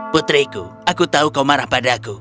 putriku aku tahu kau marah padaku